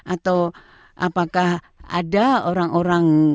atau apakah ada orang orang